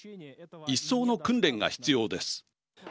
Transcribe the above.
一層の訓練が必要です。